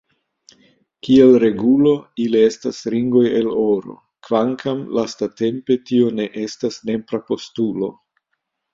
Kiel regulo, ili estas ringoj el oro, kvankam lastatempe tio ne estas nepra postulo.